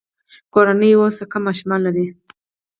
کورنۍ اوس کم ماشومان لري.